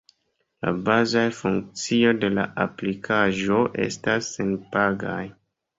La bazaj funkcioj de la aplikaĵo estas senpagaj.